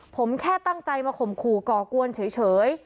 ผมแค่ตั้งใจมาข่มขู่ก่อกวนเฉย